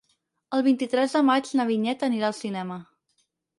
El vint-i-tres de maig na Vinyet anirà al cinema.